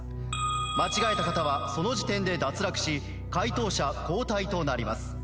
間違えた方はその時点で脱落し解答者交代となります。